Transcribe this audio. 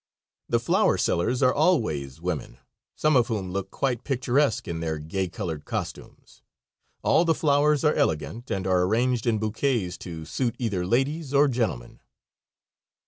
The flower sellers are always women, some of whom look quite picturesque in their gay colored costumes. All the flowers are elegant, and are arranged in bouquets to suit either ladies or gentlemen.